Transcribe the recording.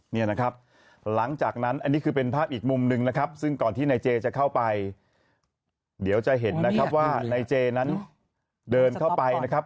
นี่นะครับหลังจากนั้นอันนี้คือเป็นภาพอีกมุมหนึ่งนะครับซึ่งก่อนที่นายเจจะเข้าไปเดี๋ยวจะเห็นนะครับว่านายเจนั้นเดินเข้าไปนะครับ